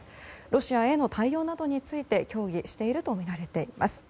ロシアへの対応などについて協議しているとみられています。